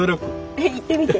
えっ言ってみて。